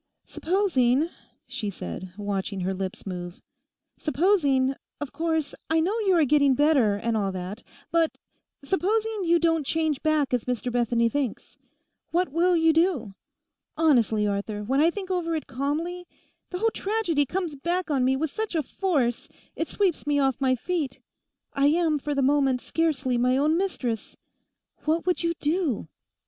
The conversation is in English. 'Supposing,' she said, watching her lips move, 'supposing—of course, I know you are getting better and all that—but supposing you don't change back as Mr Bethany thinks, what will you do? Honestly, Arthur, when I think over it calmly, the whole tragedy comes back on me with such a force it sweeps me off my feet; I am for the moment scarcely my own mistress. What would you do?